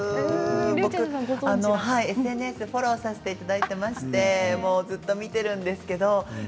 僕、ＳＮＳをフォローさせていただいてましてずっと見ています。